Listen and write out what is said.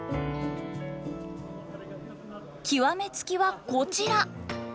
極め付きはこちら！